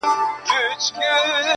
چي قاضي ته چا درنه برخه ورکړله,